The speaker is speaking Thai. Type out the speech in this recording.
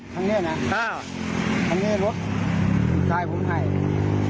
ทางนี้นะทางนี้รถลูกชายผมให้ลูกชายครับ